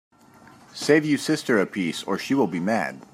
Save you sister a piece, or she will be mad.